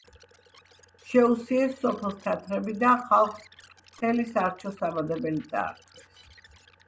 შეუსიეს სოფელს თათრები და ხალხს მთელ სარჩო-საბადებელი წაართვეს.